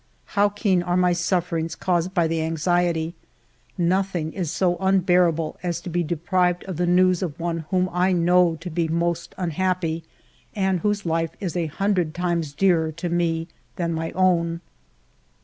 How keen are my sufferings caused by the anxiety ! Noth ing is so unbearable as to be deprived of the news of one whom I know to be most unhappy and whose life is a hundred times dearer to me than my own.